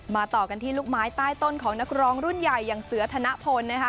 ต่อกันที่ลูกไม้ใต้ต้นของนักร้องรุ่นใหญ่อย่างเสือธนพลนะคะ